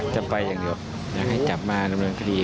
จะไปอย่างเดียวอยากให้จับมาดำเนินคดี